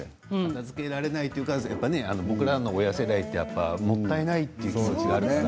片づけられないというか僕らの親世代はもったいないという気持ちがあるから。